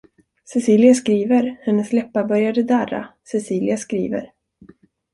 Cecilia skriver, hennes läppar började darra, Cecilia skriver.